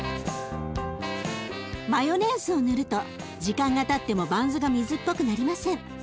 マヨネーズを塗ると時間がたってもバンズが水っぽくなりません。